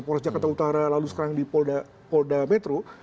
polres jakarta utara lalu sekarang di polda metro